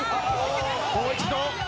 もう一度。